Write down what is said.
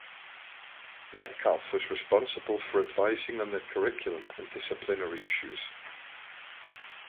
Metcalfe was responsible for advising on the curriculum and disciplinary issues.